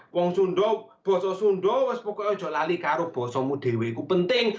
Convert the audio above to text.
orang sunda bahasa sunda aku bisa bahasa lain karena bahasamu dewi itu penting